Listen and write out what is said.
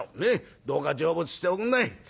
どうか成仏しておくんなさい。